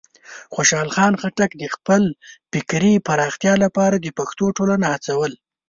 خوشحال خان خټک د خپلې فکري پراختیا لپاره د پښتنو ټولنه هڅول.